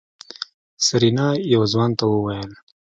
سېرېنا يو ځوان ته وويل.